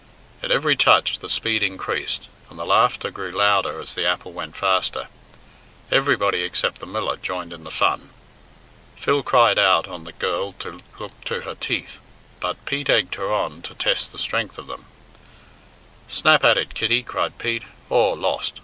At every touch the speed increased, and the laughter grew louder as the apple went faster. Everybody, except the miller, joined in the fun. Phil cried out on the girl to look to her teeth, but Pete egged her on to test the strength of them. "Snap at it, Kitty!" cried Pete. "Aw, lost!